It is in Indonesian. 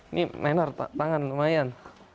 ini menar tangan lumayan